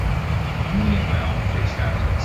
I'm gonna get my arm fixed out of this.